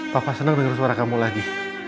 papa senang dengar suara kamu lagi